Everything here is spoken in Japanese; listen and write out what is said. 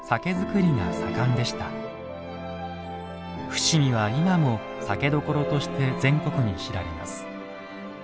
伏見は今も酒どころとして全国に知られます。